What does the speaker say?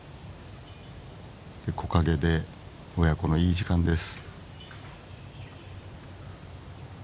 で木陰で親子のいい時間です。